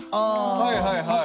はいはいはい。